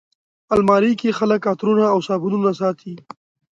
الماري کې خلک عطرونه او صابونونه ساتي